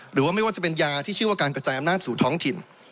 หรือว่าไม่ว่าจะเป็นยาที่ชื่อว่าการกระจายอำนาจสู่ท้องถิ่น